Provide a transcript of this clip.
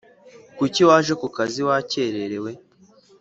Kuki waje ku kazi wakererewe